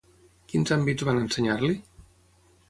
Quins àmbits van ensenyar-li?